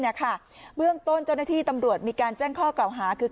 เบื้องต้นเจ้าหน้าที่ตำรวจมีการแจ้งข้อกล่าวหาคือ